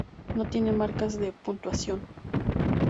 No tiene marcas de puntuación.